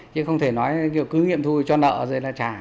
chứ không thể nói cứ nghiệm thu cho nợ rồi là trả